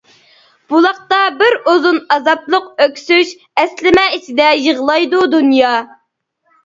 بۇلاقتا بىر ئۇزۇن ئازابلىق ئۆكسۈش، ئەسلىمە ئىچىدە يىغلايدۇ دۇنيا.